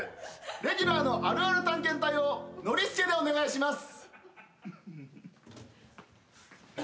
レギュラーの「あるある探検隊」をノリスケでお願いします！